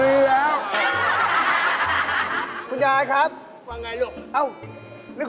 นี่คุณยายขาดต้มตำลงทุนแล้วมีอยู่แค่นี้เอง